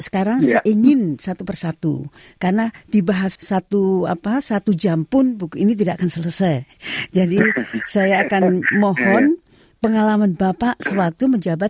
karena seperti pada waktu di abu dhabi theater itu kan